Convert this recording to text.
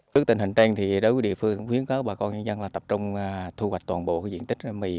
trước tình hình tranh thì đối với địa phương khuyến khắc bà con nhân dân là tập trung thu hoạch toàn bộ diện tích mì